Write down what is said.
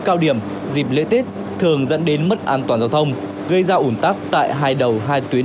cao điểm dịp lễ tết thường dẫn đến mất an toàn giao thông gây ra ủn tắc tại hai đầu hai tuyến